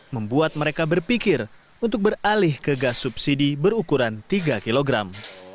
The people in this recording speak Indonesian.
membuat mereka berpikir untuk beralih ke gas subsidi berukuran tiga kilogram